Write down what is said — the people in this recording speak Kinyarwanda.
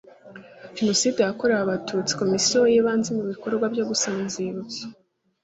jenoside yakorewe abatutsi komisiyo yibanze mu bikorwa byo gusana inzibutso